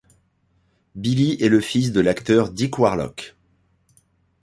Billy est le fils de l'acteur Dick Warlock.